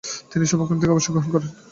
তিনি সর্বেক্ষণ থেকে অবসর গ্রহণ করেন।